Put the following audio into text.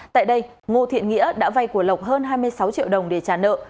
tại đây ngô thiện nghĩa đã vay của lộc hơn hai mươi sáu triệu đồng để trả nợ